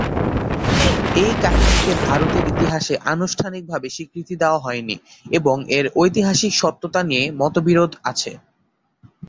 এই কাহিনীকে ভারতের ইতিহাসে আনুষ্ঠানিকভাবে স্বীকৃতি দেওয়া হয়নি এবং এর ঐতিহাসিক সত্যতা নিয়ে মতবিরোধ আছে।